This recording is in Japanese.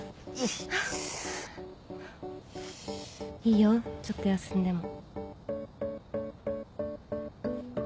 いいよちょっと休んでも。